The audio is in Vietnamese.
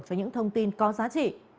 cho những thông tin có giá trị